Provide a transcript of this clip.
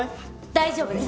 大丈夫です。